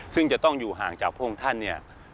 ซึ่งจะต้องอยู่ห่างจากพระองค์ท่านเนี่ย